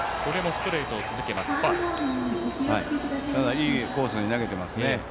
いいコースに投げてますね。